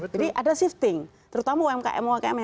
jadi ada shifting terutama umkm umkm